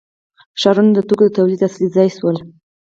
ښارونه د توکو د تولید اصلي ځای شول.